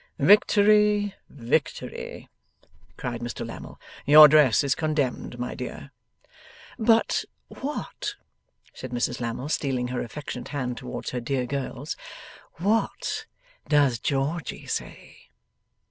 'Victory, victory!' cried Mr Lammle; 'your dress is condemned, my dear.' 'But what,' said Mrs Lammle, stealing her affectionate hand towards her dear girl's, 'what does Georgy say?